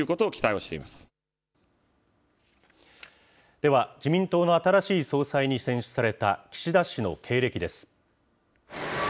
では、自民党の新しい総裁に選出された岸田氏の経歴です。